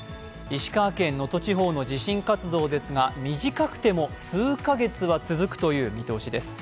石川県能登地方の地震活動ですが、短くても数カ月は続くという見通しです。